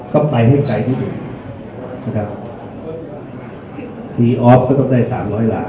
ก็ไปให้ใครที่สุดที่ออกก็ต้องได้๓๐๐ล้านบาท